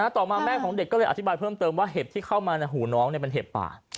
ต่อมาแม่ของเด็กก็เลยอธิบายเพิ่มเติมว่าเห็บที่เข้ามาในหูน้องเป็นเห็บป่า